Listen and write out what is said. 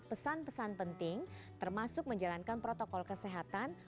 pesan pesan penting termasuk menjalankan protokol kesehatan